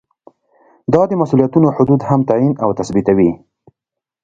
دا د مسؤلیتونو حدود هم تعین او تثبیتوي.